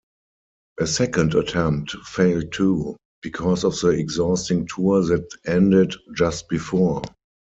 A second attempt failed, too, because of the exhausting tour that ended just before.